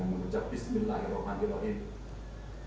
dengan menerja bismillahirrahmanirrahim